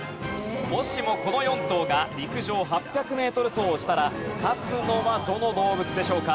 もしもこの４頭が陸上８００メートル走をしたら勝つのはどの動物でしょうか？